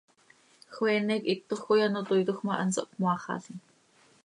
Joeene quih hitoj coi ano toiitoj ma, hanso hpmoaaxalim.